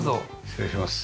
失礼します。